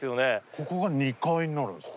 ここが２階になるんすか？